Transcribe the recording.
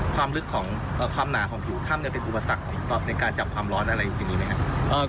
ความลึกของความหนาของผิวถ้ำเป็นอุปสรรคในการจับความร้อนอะไรอย่างนี้ไหมครับ